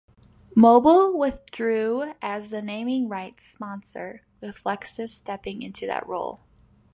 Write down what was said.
Mobil withdrew as the naming-rights sponsor, with Lexus stepping in to that role.